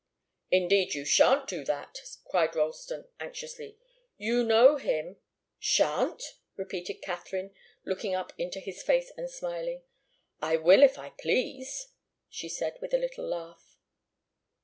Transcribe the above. "Indeed, you shan't do that!" cried Ralston, anxiously. "You know him " "Shan't?" repeated Katharine, looking up into his face and smiling. "I will if I please," she said with a little laugh.